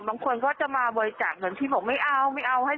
บางคนก็จะมาบริจักษ์เหมือนที่บอกไม่เอาไม่เอา